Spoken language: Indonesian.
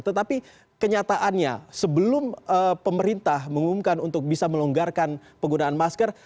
tetapi kenyataannya sebelum pemerintah mengumumkan untuk bisa melonggarkan penggunaan masker